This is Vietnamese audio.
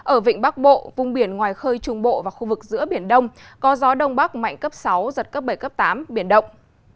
ở vịnh bắc bộ vùng biển ngoài khơi trung bộ và khu vực giữa biển đông có gió đông bắc mạnh cấp sáu giật cấp bảy cấp tám biển động